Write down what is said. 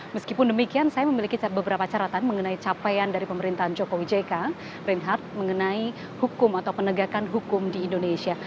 meskipun demikian saya memiliki beberapa catatan mengenai capaian dari pemerintahan joko wijeka mengenai penegakan hukum di indonesia